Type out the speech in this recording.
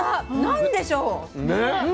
何でしょう？